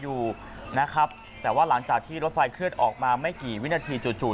อยู่นะครับแต่ว่าหลังจากที่รถไฟเคลื่อนออกมาไม่กี่วินาทีจู่จู่